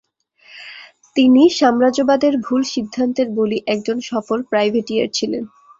তিনি সাম্রাজ্যবাদের ভুল সিদ্ধান্তের বলি একজন সফল প্রাইভেটিয়ার ছিলেন।